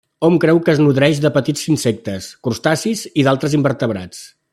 Hom creu que es nodreix de petits insectes, crustacis i d'altres invertebrats.